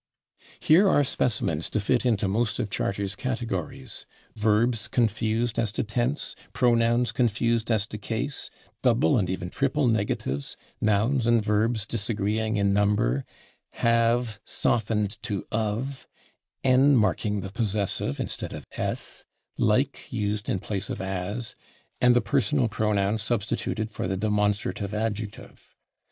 [Pg192] Here are specimens to fit into most of Charters' categories verbs confused as to tense, pronouns confused as to case, double and even triple negatives, nouns and verbs disagreeing in number, /have/ softened to /of/, /n/ marking the possessive instead of /s/, /like/ used in place of /as/, and the personal pronoun substituted for the demonstrative adjective.